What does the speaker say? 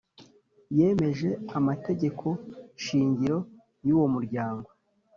Yemeje amategeko shingiro y uwo muryango